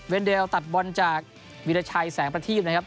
เดลตัดบอลจากวิราชัยแสงประทีบนะครับ